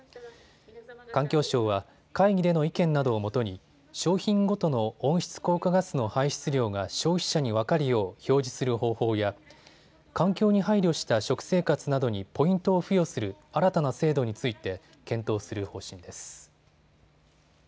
環境省は会議での意見などをもとに商品ごとの温室効果ガスの排出量が消費者に分かるよう表示する方法や環境に配慮した食生活などにポイントを付与する新たな制度について検討する方針です。